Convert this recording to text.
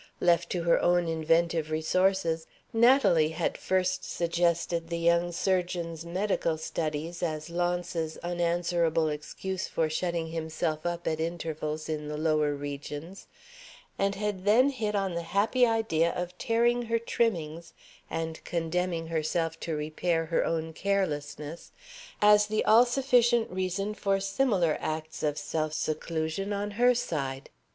Left to her own inventive resources, Natalie had first suggested the young surgeon's medical studies as Launce's unanswerable excuse for shutting himself up at intervals in the lower regions, and had then hit on the happy idea of tearing her trimmings, and condemning herself to repair her own carelessness, as the all sufficient reason for similar acts of self seclusion on her side.